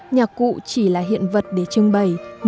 nhạc cụ chỉ là hiện vật để trưng bày